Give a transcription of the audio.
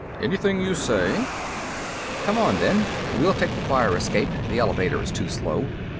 "Anything you say." "Come on, then. We'll take the fire escape; the elevator is too slow.